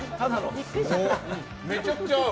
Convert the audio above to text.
めちゃくちゃ合う。